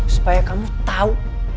supaya kamu tahu